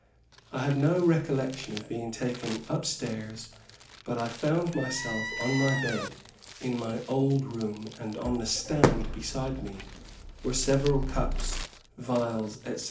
I have no recollection of being taken up stairs, but I found myself on my bed, in my old room, and on the stand beside me were several cups, vials, etc.